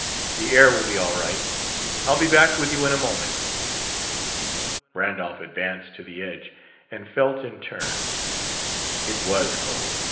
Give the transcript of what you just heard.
The air will be all right. I'll be back with you in a moment." Randolph advanced to the edge, and felt in turn. It was cold.